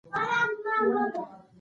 کلتور د افغان ځوانانو لپاره دلچسپي لري.